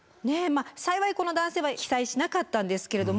幸いこの男性は被災しなかったんですけれども。